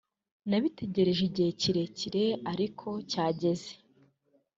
Nabitegereje igihe kirekire ariko cyageze